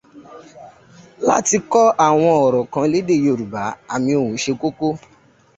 Láti kọ àwọn ọ̀rọ̀ kan lédè Yorùbá àmì ohùn ṣe kókó.